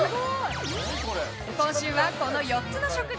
今週は、この４つの職業。